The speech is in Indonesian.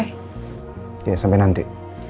ya sampai nanti